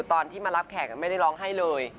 ตอนที่มารับแขกไม่ได้ร้องไห้เลย